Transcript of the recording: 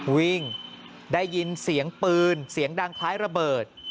วิ่งได้ยินเสียงปืนเสียงดังคล้ายระเบิด